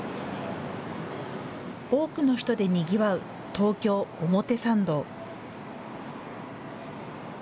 多くの人でにぎわう東京表参道。